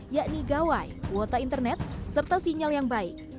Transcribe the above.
yakni gawai kuota internet serta sinyal yang baik